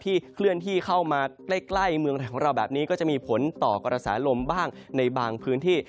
เคลื่อนที่เข้ามาใกล้เมืองไทยของเราแบบนี้ก็จะมีผลต่อกระแสลมบ้างในบางพื้นที่